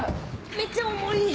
めっちゃ重い！